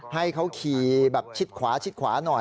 ให้เขาขี่ชิดขวาหน่อย